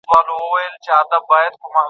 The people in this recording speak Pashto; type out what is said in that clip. دفاعي چاري باید پیاوړې سي.